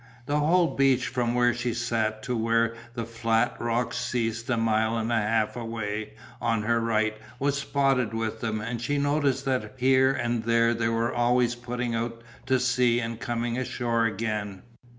The whole beach from where she sat to where the flat rocks ceased a mile and a half away on her right was spotted with them and she noticed that here and there they were always putting out to sea and coming ashore again.